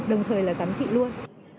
đồng thời là giám thị luôn